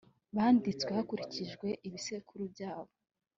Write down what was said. banditswe hakurikijwe ibisekuru byabo